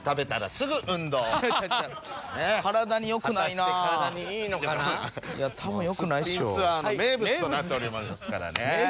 『すっぴんツアー』の名物となっておりますからね。